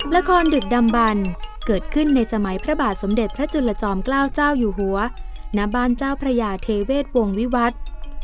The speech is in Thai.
ดึกดำบันเกิดขึ้นในสมัยพระบาทสมเด็จพระจุลจอมเกล้าเจ้าอยู่หัวณบ้านเจ้าพระยาเทเวศวงวิวัตร